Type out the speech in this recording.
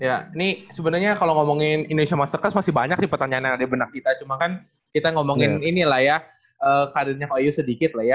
ya ini sebenarnya kalau ngomongin indonesia masterclass masih banyak sih pertanyaan yang ada di benak kita cuma kan kita ngomongin ini lah ya kadernya ko ayus sedikit lah ya